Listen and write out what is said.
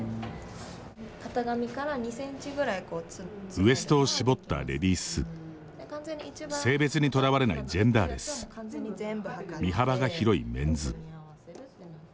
ウエストを絞ったレディース性別にとらわれないジェンダーレス身幅が広いメンズ。